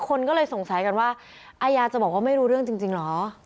คนก็เลยสงสัยกันว่าอาญาจะบอกว่าไม่รู้เรื่องจริงเหรอ